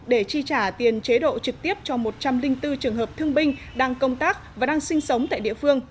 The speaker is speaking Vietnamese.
để chi trả tiền chế độ trực tiếp cho một trăm linh bốn trường hợp thương binh đang công tác và đang sinh sống tại địa phương